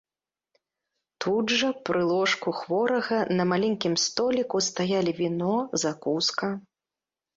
Тут жа пры ложку хворага на маленькім століку стаялі віно, закуска.